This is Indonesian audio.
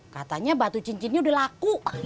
katanya batu cincinnya udah laku